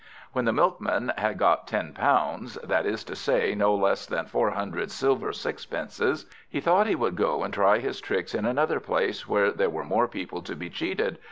When the Milkman had got ten pounds, that is to say, no less than four hundred silver sixpences, he thought he would go and try his tricks in another place, where there were more people to be cheated.